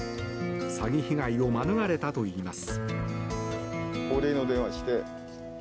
詐欺被害を免れたといいます。